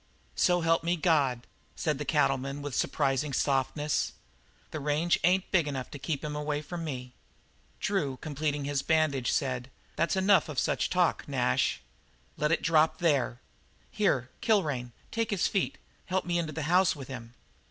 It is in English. "So help me God," said the cattleman, with surprising softness, "the range ain't big enough to keep him away from me." Drew, completing his bandage, said, "That's enough of such talk, Nash. Let it drop there. Here, Kilrain, take his feet. Help me into the house with him."